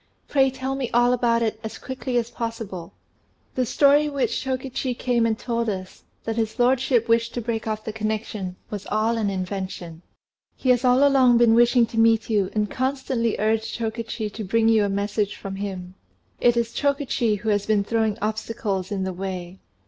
Pray tell me all about it as quickly as possible." "The story which Chokichi came and told us, that his lordship wished to break off the connection, was all an invention. He has all along been wishing to meet you, and constantly urged Chokichi to bring you a message from him. It is Chokichi who has been throwing obstacles in the way.